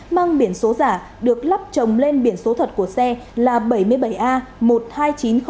mang biển số giả được lắp trồng lên biển số thật của xe là bảy mươi bảy a một mươi hai nghìn chín trăm linh